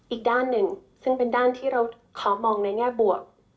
อีกด้านหนึ่งซึ่งเป็นด้านที่เราขอมองในแง่บวก